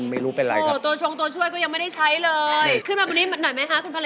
มันเจ็บได้ไหม